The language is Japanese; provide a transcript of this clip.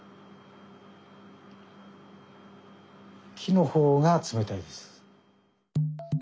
木の方が冷たいです。